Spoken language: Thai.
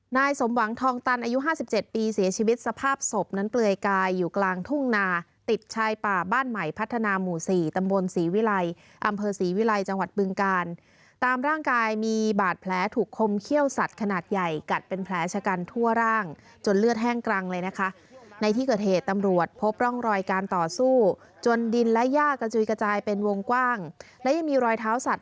นายสมหวังทองตันอายุห้าสิบเจ็ดปีเสียชีวิตสภาพศพนั้นเปลือยกายอยู่กลางทุ่งนาติดชายป่าบ้านใหม่พัฒนาหมู่สี่ตำบลสีวิลัยอำเภอสีวิลัยจังหวัดปรึงการตามร่างกายมีบาดแผลถูกคมเขี้ยวสัตว์ขนาดใหญ่กัดเป็นแผลชะกันทั่วร่างจนเลือดแห้งกลางเลยนะคะในที่เกิดเหตุตำรวจพบร่องรอยการต่อ